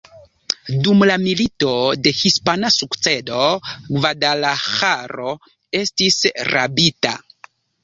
Dum la Milito de hispana sukcedo Gvadalaĥaro estis rabita.